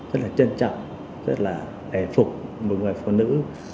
rất là trân trọng rất là hài phục một người phụ nữ